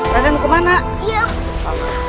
raden kamu kemana